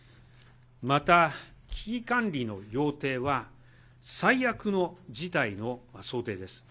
また危機管理の要諦は最悪の事態の想定です。